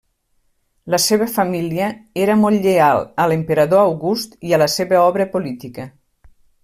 La seva família era molt lleial a l'emperador August i a la seva obra política.